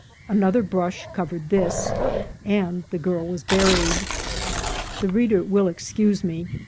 Another brush covered this, and the girl was buried. The reader will excuse me.